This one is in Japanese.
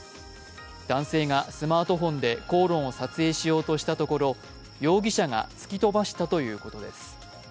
男性がスマートフォンで口論を撮影しようとしたところ容疑者が突き飛ばしたということです。